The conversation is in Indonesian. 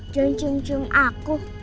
jangan cium cium aku